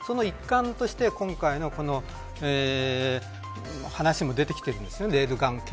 その一環として、今回のこの話も出てきています。